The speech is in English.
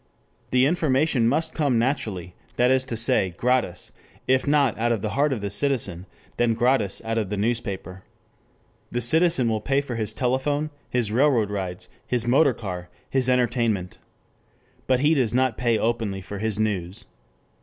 The information must come naturally, that is to say gratis, if not out of the heart of the citizen, then gratis out of the newspaper. The citizen will pay for his telephone, his railroad rides, his motor car, his entertainment. But he does not pay openly for his news.